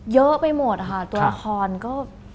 เยอะไปหมดค่ะตัวละครก็